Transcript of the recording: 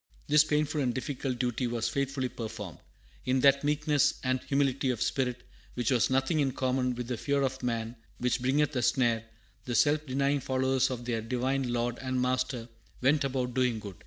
This painful and difficult duty was faithfully performed. In that meekness and humility of spirit which has nothing in common with the "fear of man, which bringeth a snare," the self denying followers of their Divine Lord and Master "went about doing good."